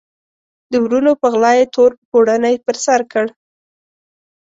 د وروڼو په غلا یې تور پوړنی پر سر کړ.